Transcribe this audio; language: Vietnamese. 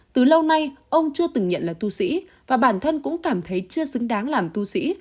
từ lâu nay ông chưa từng nhận là tu sĩ và bản thân cũng cảm thấy chưa xứng đáng làm tu sĩ